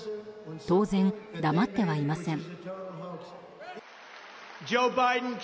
当然、黙ってはいません。